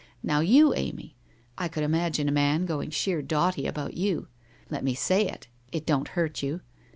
Now you, Amy, \ could imagine a man going sheer dotty about you ! Let mo say it I It don't hurt you.